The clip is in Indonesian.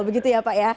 begitu ya pak ya